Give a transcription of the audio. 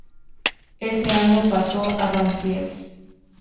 Ese año pasó a Banfield.